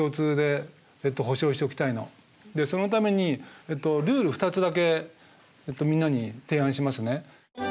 でそのためにルール２つだけみんなに提案しますね。